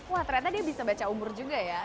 wah ternyata dia bisa baca umur juga ya